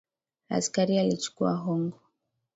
Askari alichukua hongo.